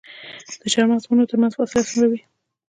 د چهارمغز د ونو ترمنځ فاصله څومره وي؟